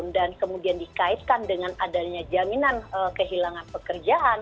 dan kemudian dikaitkan dengan adanya jaminan kehilangan pekerjaan